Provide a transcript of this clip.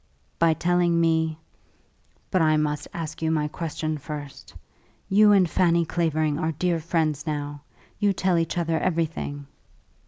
"By telling me ; but I must ask you my question first. You and Fanny Clavering are dear friends now. You tell each other everything."